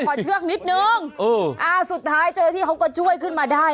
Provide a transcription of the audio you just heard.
ก่อนเชือกนิดหนึ่งอืมอ่าสุดท้ายเจอที่เขาก็ช่วยขึ้นมาได้